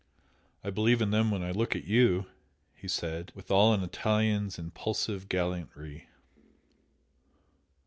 "I believe in them when I look at YOU!" he said, with all an Italian's impulsive gallantry.